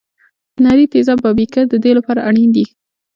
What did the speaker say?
نري تیزاب او بیکر د دې لپاره اړین دي.